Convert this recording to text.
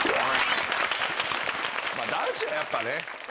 男子はやっぱね。